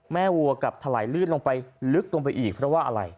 วัวกลับถลายลื่นลงไปลึกลงไปอีกเพราะว่าอะไร